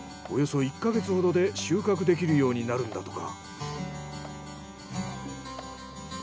およそ１か月ほどで収穫できるようになるんだとか。